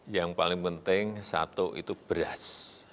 yang paling penting satu itu beras